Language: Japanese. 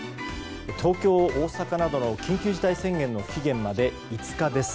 東京、大阪などの緊急事態宣言の期限まで５日です。